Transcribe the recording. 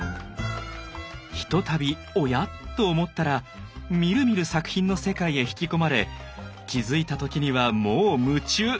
ひとたび「おや？」と思ったらみるみる作品の世界へ引き込まれ気付いた時にはもう夢中。